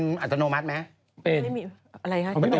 อ๋อไม่มีเหรอ